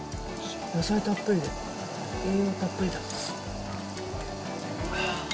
野菜たっぷりで、栄養たっぷりだ。